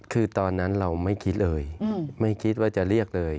คือตอนนั้นเราไม่คิดเลยไม่คิดว่าจะเรียกเลย